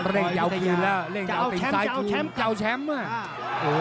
เกล้งใช้คืายาจะเอาแชมป์ก่อน